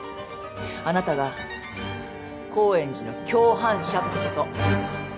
あなたが高円寺の共犯者ってこと。